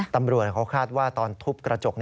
ตำรวจเขาคาดว่าตอนทุบกระจก